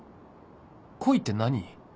恋って何？